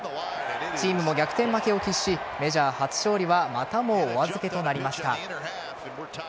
チームは逆転負けを喫しメジャー初勝利はまたもお預けとなりました。